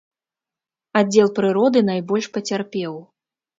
Аддзел прыроды найбольш пацярпеў.